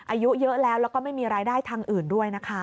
อายุเยอะแล้วแล้วก็ไม่มีรายได้ทางอื่นด้วยนะคะ